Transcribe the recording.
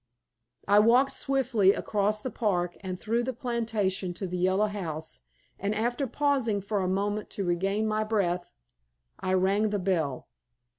I walked swiftly across the park and through the plantation to the Yellow House, and after pausing for a moment to regain my breath, I rang the bell.